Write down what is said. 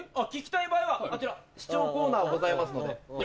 聴きたい場合はあちら試聴コーナーがございますので。